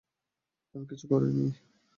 আমি কিছু করি নি!